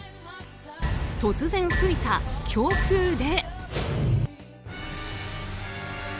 突然吹いた強風で。